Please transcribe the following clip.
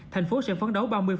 thành phố sẽ phấn đấu ba mươi